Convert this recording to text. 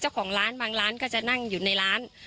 เจ้าของร้านบางร้านก็จะนั่งอยู่ในร้าน